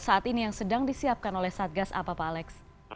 saat ini yang sedang disiapkan oleh satgas apa pak alex